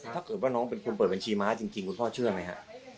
ถ้าเกิดว่าน้องเป็นคนเปิดบัญชีม้าจริงคุณพ่อเชื่อไหมฮะ